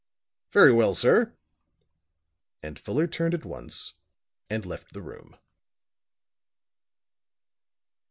"Very well, sir." And Fuller turned at once, and left the room.